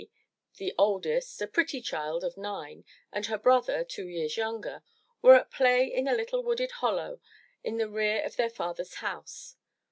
MY BOOK HOUSE or Nelly, the oldest, a pretty child of nine, and her brother, two years younger, were at play in a little wooded hollow in the rear of their father's house.